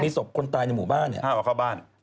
มีศพคนตายในหมู่บ้านเนี่ย